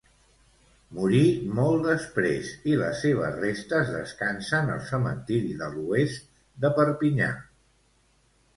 Morí molt després, i les seves restes descansen al cementiri de l'Oest de Perpinyà.